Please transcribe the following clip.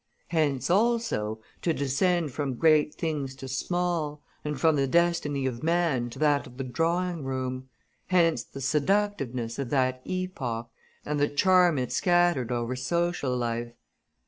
Hence also, to descend from great things to small, and from the destiny of man to that of the drawing room, hence the seductiveness of that epoch and the charm it scattered over social, life.